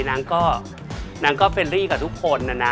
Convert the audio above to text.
นางก็เฟรนรี่กับทุกคนอะนะ